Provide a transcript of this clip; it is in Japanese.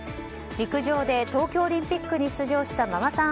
陸上で東京オリンピックに出場したママさん